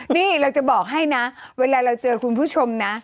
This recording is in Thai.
นี่เราจะบอกให้นะเวลาเราเจอคุณผู้ชมนะ